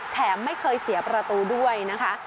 แถมไม่เคยเสียประตูด้วยนะคะ